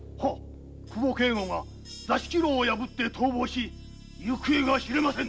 久保圭吾が座敷牢を逃亡し行方が知れません。